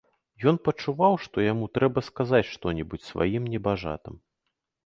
Ён пачуваў, што яму трэба сказаць што-небудзь сваім небажатам.